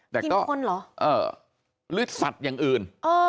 แต่กินคนเหรอเออหรือสัตว์อย่างอื่น